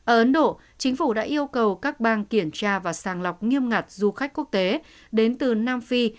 ở ấn độ chính phủ đã yêu cầu các bang kiểm tra và sàng lọc nghiêm ngặt du khách quốc tế đến từ nam phi